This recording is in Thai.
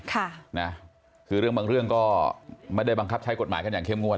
ค่ะนะคือเรื่องบางเรื่องก็ไม่ได้บังคับใช้กฎหมายกันอย่างเข้มงวด